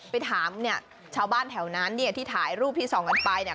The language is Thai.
ไปถามเนี่ยชาวบ้านแถวนั้นเนี่ยที่ถ่ายรูปที่ส่องกันไปเนี่ย